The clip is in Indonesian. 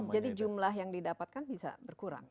jadi jumlah yang didapatkan bisa berkurang